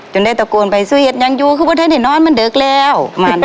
จนได้ตะโกนไปสุยศยังอยู่ก็คิดว่าท่านเห็นนอนมันเดิบแล้ว